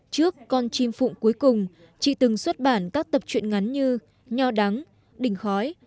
trước con chim phụng cuối cùng chị từng xuất bản các tập chuyện ngắn như nho đắng đình khói